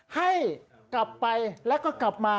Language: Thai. ให้กลับไปแล้วก็กลับมา